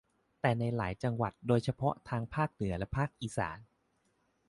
แต่ในหลายจังหวัดโดยเฉพาะทางภาคเหนือและภาคอีสาน